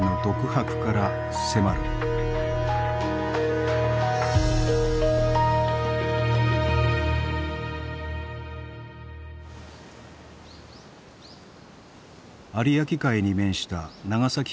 有明海に面した長崎県の港町。